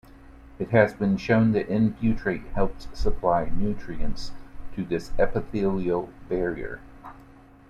It has been shown that N-butyrate helps supply nutrients to this epithelial barrier.